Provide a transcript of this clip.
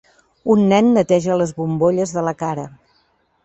un nen neteja les bombolles de la cara.